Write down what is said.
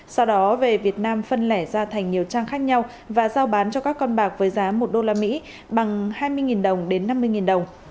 sau đó về việt nam phân lẻ ra thành nhiều trang khác nhau và giao bán cho các con bạc với giá một đô la mỹ bằng hai mươi đồng đến năm mươi đồng